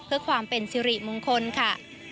เพื่อความเป็นสิริมงคลค่ะ